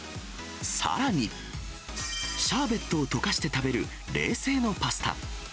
さらに、シャーベットをとかして食べる冷製のパスタ。